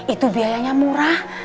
itu biayanya murah